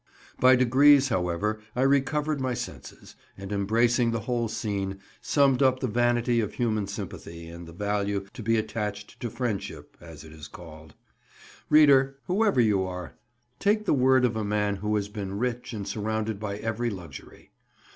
By degrees, however, I recovered my senses, and embracing the whole scene, summed up the vanity of human sympathy and the value to be attached to friendship, as it is called. Reader, whoever you are, take the word of a man who has been rich and surrounded by every luxury.